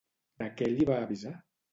De què li va avisar?